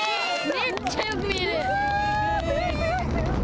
めっちゃよく見える。